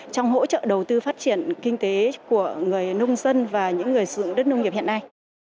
trong hỗ trợ đầu tư phát triển kinh tế của người nông dân và những người sử dụng đất nông nghiệp hiện nay